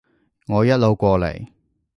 我一路過嚟